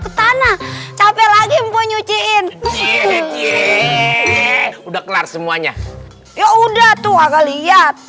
ke tanah capek lagi mpunyuciin udah kelar semuanya ya udah tuh agak lihat